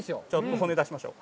骨出しましょう。